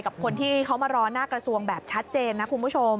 กับคนที่เขามารอหน้ากระทรวงแบบชัดเจนนะคุณผู้ชม